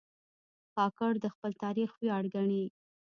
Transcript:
کاکړ د خپل تاریخ ویاړ ګڼي.